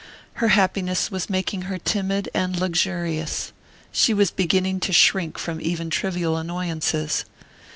Her happiness was making her timid and luxurious: she was beginning to shrink from even trivial annoyances.